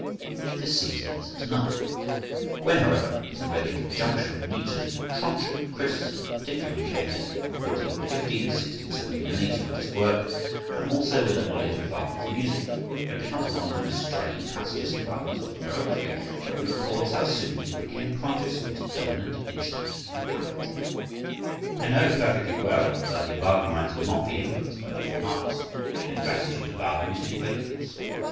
This seems innocent enough. When, however, it is read in conjunction with Nietzsche's trenchant criticism, particularly on pp. 14, 15, 16, 17 and 18 of this work, and also with a knowledge of Wagner's music, it becomes one of the most striking passages in Wagner's autobiography, for it records how soon he became conscious of his dominant instinct and faculty. I know perfectly well that the Wagnerites will not be influenced by these remarks. Their gratitude to Wagner is too great for this.